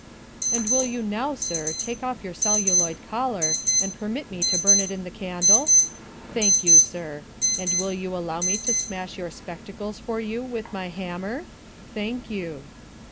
"And will you now, sir, take off your celluloid collar and permit me to burn it in the candle? Thank you, sir. And will you allow me to smash your spectacles for you with my hammer? Thank you."